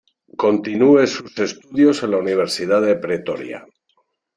Continúe sus estudios en la Universidad de Pretoria.